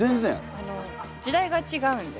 あの時代が違うんで。